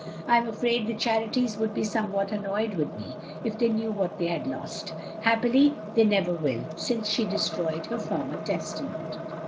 I am afraid the charities would be somewhat annoyed with me if they knew what they had lost. Happily, they never will, since she destroyed her former testament.'